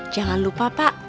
jangan lupa pak